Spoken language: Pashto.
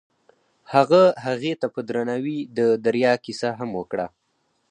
هغه هغې ته په درناوي د دریا کیسه هم وکړه.